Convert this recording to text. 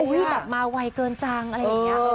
ก็ทั้งคู่ปสดข้าร้อยมันมาไวเกินจังอะไรอย่างนี้